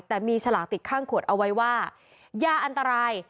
แต่มีฉลากติดข้างขวดเอาไว้ว่ายาอันตราย